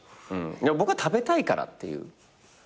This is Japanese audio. いや僕は食べたいからっていう。